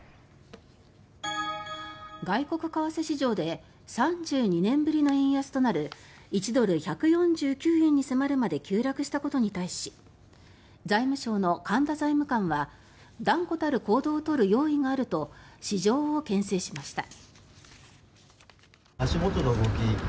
外国為替市場で３２年ぶりの円安となる１ドル＝１４９円に迫るまで急落したことに対し財務省の神田財務官は断固たる行動を取る用意があると市場をけん制しました。